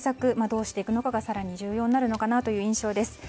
どうしていくのかが更に重要になるのかなという印象です。